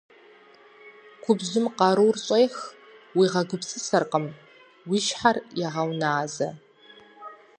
Губжьым къарур щӀех, уигъэгупсысэркъым, уи щхьэр егъэуназэ.